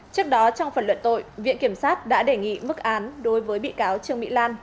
trước đó trong phần luận tội viện kiểm sát đã đề nghị mức án đối với bị cáo trương mỹ lan